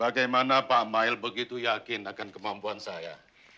bagaimana pak amail begitu yakin akan kemampuan saya